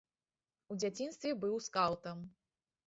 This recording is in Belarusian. У дзяцінстве быў скаўтам.